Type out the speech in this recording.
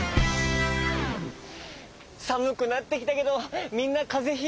さむくなってきたけどみんなかぜひいてないかな。